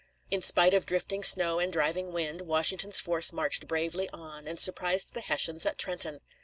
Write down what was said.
In spite of drifting snow and driving wind, Washington's force marched bravely on, and surprised the Hessians at Trenton.